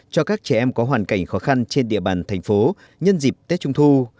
cho các trẻ em có hoàn cảnh khó khăn trên địa bàn thành phố nhân dịp tết trung thu